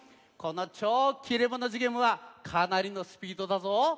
この「超切れ者寿限無」はかなりのスピードだぞ。